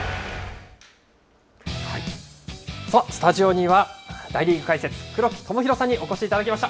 スタジオには、大リーグ解説、黒木知宏さんにお越しいただきました。